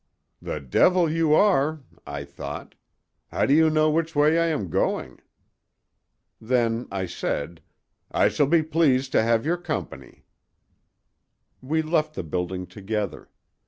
"The devil you are!" I thought. "How do you know which way I am going?" Then I said, "I shall be pleased to have your company." We left the building together.